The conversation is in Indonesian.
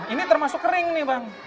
ini termasuk kering nih bang